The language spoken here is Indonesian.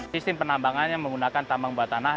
sistem penambangannya menggunakan tambang bawah tanah